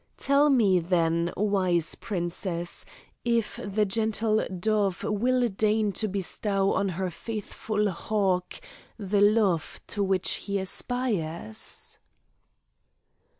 Tell me then, wise princess, if the gentle dove will deign to bestow on her faithful hawk the love to which he aspires?"